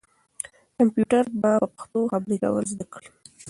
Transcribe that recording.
کمپیوټر به په پښتو خبرې کول زده کړي.